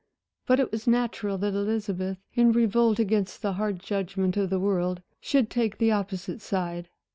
But it was natural that Elizabeth, in revolt against the hard judgment of the world, should take the opposite side.